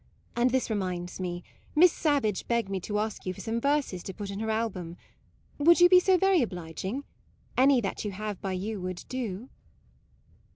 And this reminds me. Miss Savage begged me to ask you for some verses to put in her album. Would you be so very obliging ? Any that you have by you would do."